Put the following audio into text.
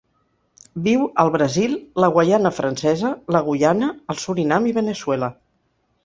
Viu al Brasil, la Guaiana Francesa, la Guyana, el Surinam i Veneçuela.